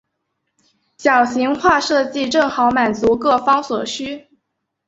小型化设计正好满足各方所需。